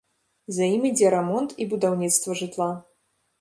За ім ідзе рамонт і будаўніцтва жытла.